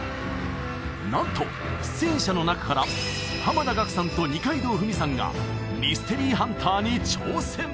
なんと出演者の中から濱田岳さんと二階堂ふみさんがミステリーハンターに挑戦！